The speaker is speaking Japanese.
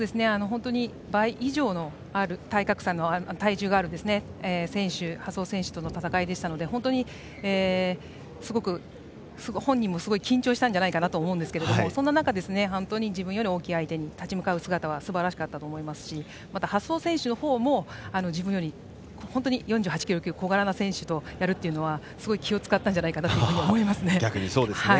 倍以上の体重がある蓮尾選手との戦いだったので本人もすごい緊張したんじゃないかなと思うんですがそんな中、自分より大きい相手に立ち向かう姿はすばらしかったと思いますしまた蓮尾選手のほうも自分より４８キロ級と小柄な選手とやるのはすごい気を使ったんじゃないかとも思いますね。